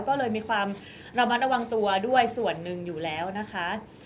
ก็เลยมีความระมัดระวังตัวด้วยส่วนหนึ่งอยู่แล้วนะคะ